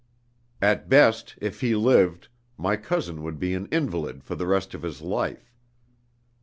At best, if he lived, my cousin would be an invalid for the rest of his life.